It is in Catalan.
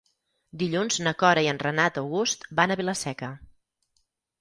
Dilluns na Cora i en Renat August van a Vila-seca.